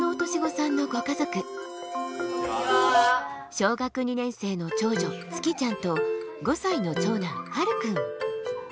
小学２年生の長女つきちゃんと５歳の長男はるくん。